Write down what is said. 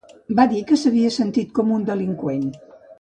Va dir que s’havia sentit ‘com una delinqüent’.